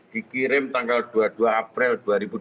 dikirim tanggal dua puluh dua april dua ribu dua puluh